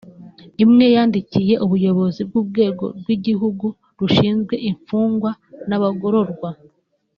Imwe yandikiwe ubuyobozi bw’urwego rw’igihugu rushinzwe imfungwa n’abagororwa